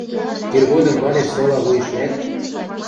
Иргодым вадеш сола вуйыш лӓк...